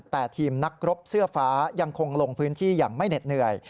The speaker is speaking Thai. แต่ทีมนักรบเสื้อฟ้ายังคงลงพื้นที่อย่างไม่เหน็ดเหนื่อย